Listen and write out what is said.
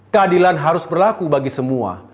keadilan harus berlaku bagi semua